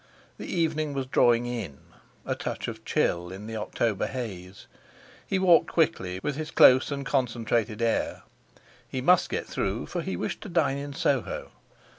The evening was drawing in—a touch of chill in the October haze. He walked quickly, with his close and concentrated air. He must get through, for he wished to dine in Soho.